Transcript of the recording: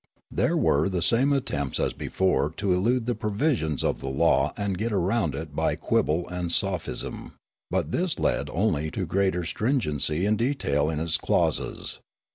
There were the same attempts as before to elude the provisions of the law and get round it by quibble and sophism; but this led only to greater stringencj^ and detail in its clauses.